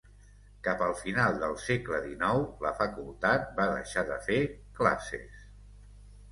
Cap al final del segle dinou la facultat va deixar de fer classes.